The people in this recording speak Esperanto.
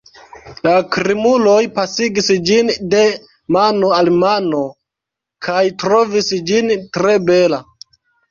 La krimuloj pasigis ĝin de mano al mano, kaj trovis ĝin tre bela.